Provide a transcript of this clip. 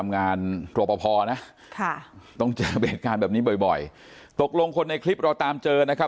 งานกรปภนะค่ะต้องเจอเหตุการณ์แบบนี้บ่อยตกลงคนในคลิปเราตามเจอนะครับ